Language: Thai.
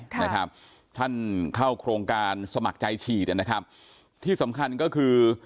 ค่ะนะครับท่านเข้าโครงการสมัครใจฉีดนะครับที่สำคัญก็คือ